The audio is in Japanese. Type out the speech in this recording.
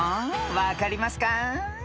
分かりますか？］